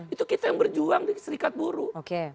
itu kita yang berjuang di serikat buruh